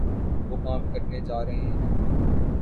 وہ کام کرنےجارہےہیں